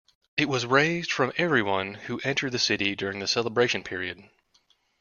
It was raised from everyone who entered the city during the celebration period.